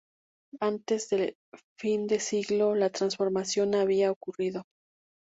Antes de fin de siglo la transformación había ocurrido.